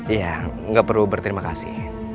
iya nggak perlu berterima kasih